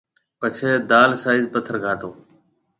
پڇيَ دال سائز پٿر گھاتو